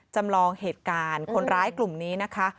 จำลองเหตุการณ์คนร้ายกลุ่มนี้นะคะ